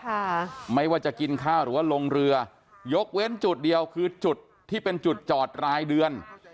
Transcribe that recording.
ค่ะไม่ว่าจะกินข้าวหรือว่าลงเรือยกเว้นจุดเดียวคือจุดที่เป็นจุดจอดรายเดือน